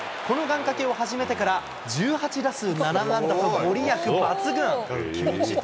この願かけを始めてから１８打数７安打と御利益抜群。